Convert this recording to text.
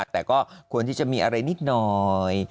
แต่ก็ควรที่จะมีอะไรนิดหน่อย